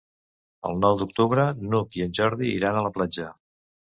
El nou d'octubre n'Hug i en Jordi iran a la platja.